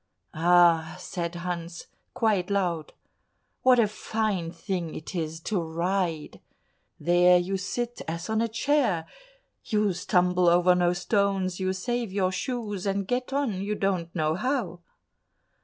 "Ah!" said Hans quite loud, "what a fine thing it is to ride! There you sit as on a chair; you stumble over no stones, you save your shoes, and get on, you don't know how."